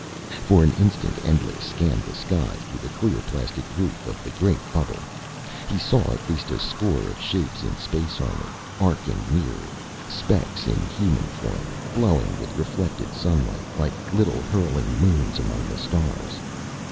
For an instant Endlich scanned the sky, through the clear plastic roof of the great bubble. He saw at least a score of shapes in space armor, arcing nearer specks in human form, glowing with reflected sunlight, like little hurtling moons among the stars.